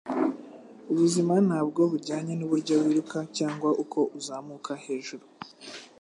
Ubuzima ntabwo bujyanye nuburyo wiruka cyangwa uko uzamuka hejuru,